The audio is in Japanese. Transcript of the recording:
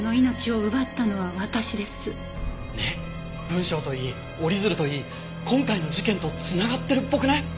文章といい折り鶴といい今回の事件と繋がってるっぽくない？